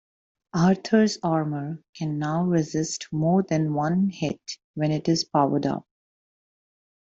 Arthur's armor can now resist more than one hit when it is powered up.